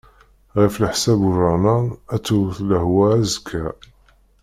Ɣef leḥsab ujernan, ad tewt lehwa azekka.